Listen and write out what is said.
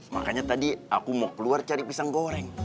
makanya tadi aku mau keluar cari pisang goreng